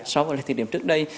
so với thời điểm trước đây